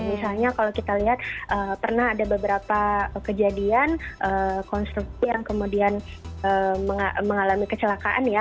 misalnya kalau kita lihat pernah ada beberapa kejadian konstruksi yang kemudian mengalami kecelakaan ya